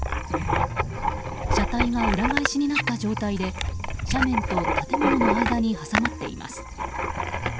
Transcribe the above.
車体が裏返しになった状態で斜面と建物の間に挟まっています。